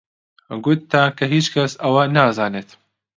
گوتتان کە هیچ کەس ئەوە نازانێت